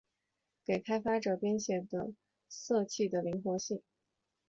给开发者编写着色器的灵活性。